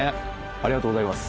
ありがとうございます。